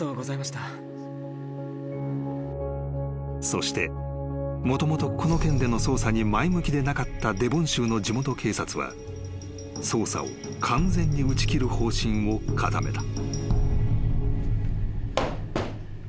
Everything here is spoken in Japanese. ［そしてもともとこの件での捜査に前向きでなかったデヴォン州の地元警察は捜査を完全に打ち切る方針を固めた］